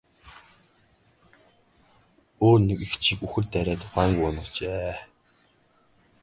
Өөр нэг эгчийг үхэр дайраад ухаангүй унагажээ.